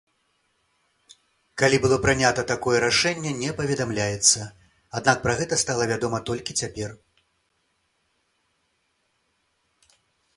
Калі было прынята такое рашэнне не паведамляецца, аднак пра гэта стала вядома толькі цяпер.